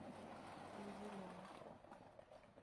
朱一龙